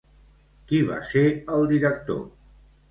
Qui va ser el director?